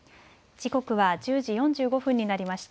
時刻は１０時４５分になりました。